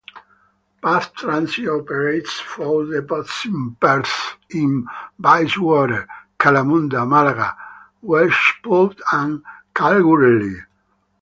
Path Transit operates four depots in Perth in Bayswater, Kalamunda, Malaga, Welshpool and Kalgoorlie.